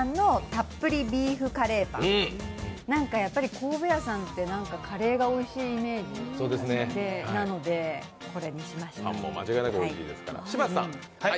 神戸屋さんってカレーがおいしいイメージなのでこれにしました。